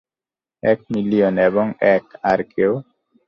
এক মিলিয়ন এবং এক, আর কেউ?